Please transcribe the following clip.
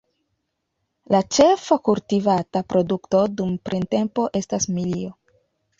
La ĉefa kultivata produkto dum printempo estas milio.